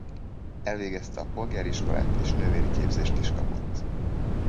Elvégezte a polgári iskolát és nővéri képzést is kapott.